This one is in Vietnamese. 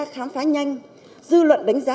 khám phá nhanh dư luận đánh giá